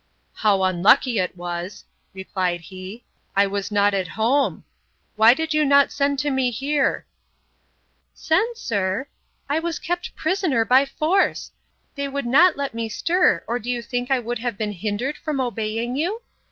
How unlucky it was, replied he, I was not at home?—Why did you not send to me here? Send, sir! I was kept prisoner by force. They would not let me stir, or do you think I would have been hindered from obeying you?